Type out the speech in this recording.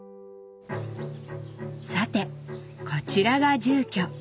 さてこちらが住居。